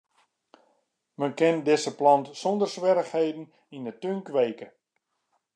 Men kin dizze plant sonder swierrichheden yn 'e tún kweke.